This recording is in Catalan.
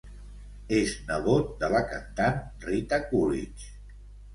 És nebot de la cantant Rita Coolidge.